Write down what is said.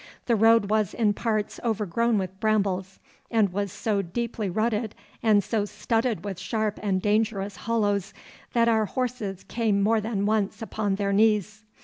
The road was in parts overgrown with brambles, and was so deeply rutted and so studded with sharp and dangerous hollows, that our horses came more than once upon their knees.